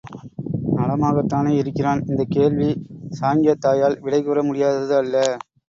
நலமாகத்தானே இருக்கிறான்? இந்தக் கேள்வி சாங்கியத்தாயால் விடை கூற முடியாதது அல்ல.